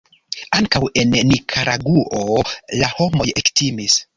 Ankaŭ en Nikaragŭo la homoj ektimis.